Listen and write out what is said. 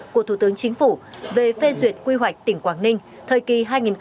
của thủ tướng chính phủ về phê duyệt quy hoạch tỉnh quảng ninh thời kỳ hai nghìn hai mươi một hai nghìn ba mươi